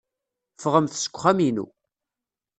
Ffɣemt seg uxxam-inu.